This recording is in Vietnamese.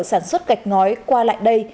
sản xuất gạch ngói qua lại đây